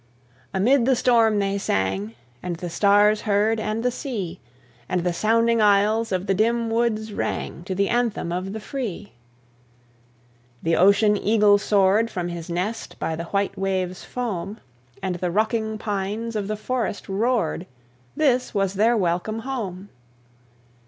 Amid the storm they sang, And the stars heard, and the sea, And the sounding aisles of the dim woods rang To the anthem of the free! The ocean eagle soared From his nest by the white wave's foam; And the rocking pines of the forest roared, This was their welcome home!